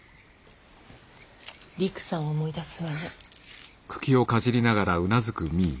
りくさんを思い出すわね。